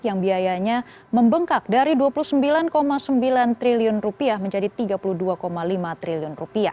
yang biayanya membengkak dari rp dua puluh sembilan sembilan triliun menjadi rp tiga puluh dua lima triliun